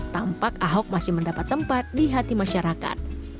tampak ahok masih mendapat tempat di hati masyarakat